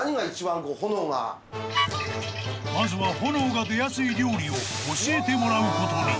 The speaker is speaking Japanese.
［まずは炎が出やすい料理を教えてもらうことに］